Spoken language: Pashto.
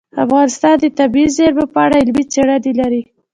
افغانستان د طبیعي زیرمې په اړه علمي څېړنې لري.